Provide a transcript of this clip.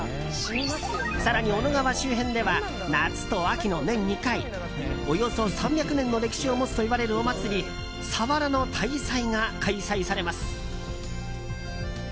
更に、小野川周辺では夏と秋の年２回およそ３００年の歴史を持つといわれるお祭り佐原の大祭が開催されます。